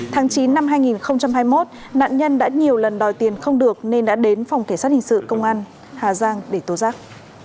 tháng chín năm hai nghìn hai mươi một nạn nhân đã nhiều lần đòi tiền không được nên đã đến phòng kể sát hình sự công an hà giang để tố giác